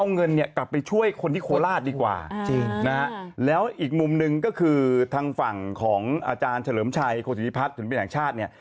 ในโฆษีพิพัฏศิลปินทางชาติเนี้ย